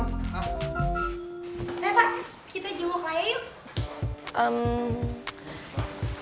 dapet kita jemput raya yuk